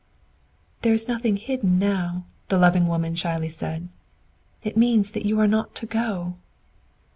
"There is nothing hidden now," the loving woman shyly said. "IT MEANS THAT YOU ARE NOT TO GO!"